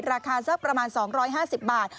ราคาสักประมาณ๒๕๐บาท